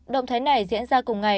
động thái này diễn ra cùng ngày